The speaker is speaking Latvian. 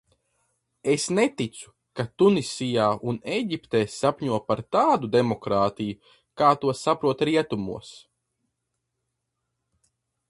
Es neticu, ka Tunisija un Ēģipte sapņo par tādu demokrātiju, kā to saprot rietumos.